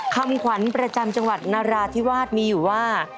คำขวัญประจำจังหวัดนราธิวาสมีอยู่ว่า